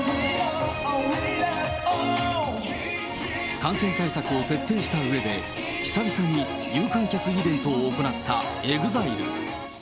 感染対策を徹底したうえで、久々に有観客イベントを行ったＥＸＩＬＥ。